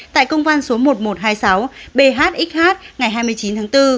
tại công văn số một nghìn một trăm hai mươi sáu bhxh ngày hai mươi chín tháng bốn